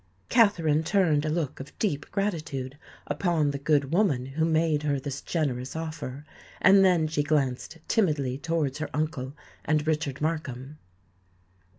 Katherine turned a look of deep gratitude upon the good woman who made her this generous offer; and then she glanced timidly towards her uncle and Richard Markham.